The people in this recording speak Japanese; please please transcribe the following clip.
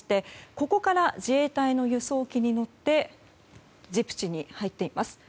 ここから自衛隊の輸送機に乗ってジブチに入っています。